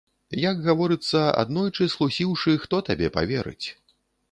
Як гаворыцца, аднойчы схлусіўшы, хто табе паверыць?